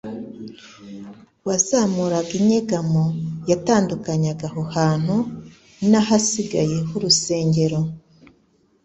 wazamuraga inyegamo yatandukanyaga aho hantu n'ahasigaye h'urusengere.